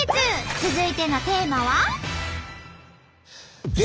続いてのテーマは。